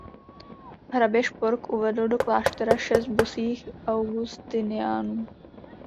Hrabě Špork uvedl do kláštera šest bosých augustiniánů.